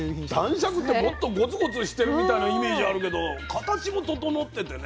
男爵ってもっとゴツゴツしてるみたいなイメージあるけど形も整っててね。